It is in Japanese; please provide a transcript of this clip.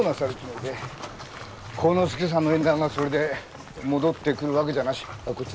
晃之助さんの縁談がそれで戻ってくるわけじゃなし。